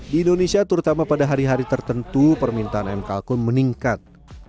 di indonesia terutama pada hari hari tertentu permintaan mkl pun meningkat